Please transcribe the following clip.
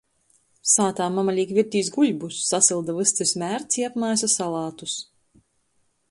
Sātā mama līk virtīs buļvus, sasylda vystys mērci i apmaisa salatus.